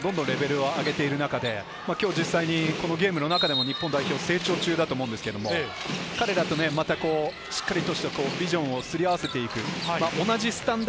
どんどんどんどんレベルを上げている中で、今日、実際にこのゲームの中でも日本代表は成長中だと思うんですけど、彼らとしっかりとしたビジョンをすり合わせて行く、同じスタンダ